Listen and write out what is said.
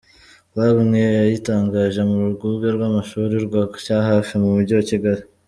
Club” nk’iyo yayitangije mu Rwunge rw’amashuri rwa Cyahafi mu Mujyi wa Kigali.